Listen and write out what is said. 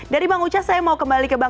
dari bang uca saya mau kembali ke bukit jawa